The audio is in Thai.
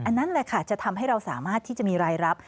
นั่นแหละค่ะจะทำให้เราสามารถที่จะมีรายรับ